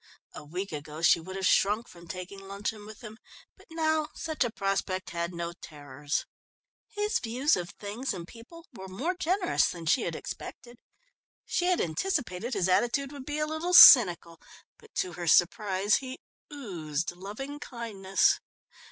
A week ago she would have shrunk from taking luncheon with him, but now such a prospect had no terrors. His views of things and people were more generous than she had expected. She had anticipated his attitude would be a little cynical, but to her surprise he oozed loving kindness.